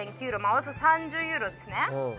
およそ３０ユーロですね。